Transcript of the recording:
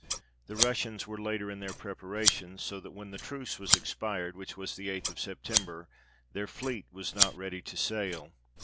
The Russians were later in their preparations ; so that when the truce was expired, which was the 8th of September, their fleet was not ready to sail.